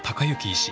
医師。